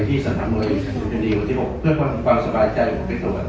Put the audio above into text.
ที่สนามเมืองอุปกรณ์นี้วันที่๖เพื่อความสบายใจของคนไปตรวจ